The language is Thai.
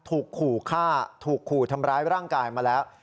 ถูกขู่ฆ่าถูกขู่ทำร้ายร่างกายมาแล้ว